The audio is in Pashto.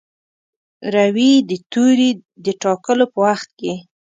روي د توري د ټاکلو په وخت کې.